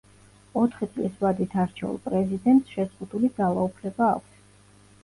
ოთხი წლის ვადით არჩეულ პრეზიდენტს შეზღუდული ძალაუფლება აქვს.